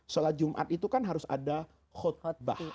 sholat jumat itu kan harus ada khutbah